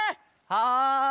はい。